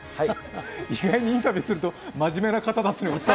意外にインタビューすると真面目な方だと。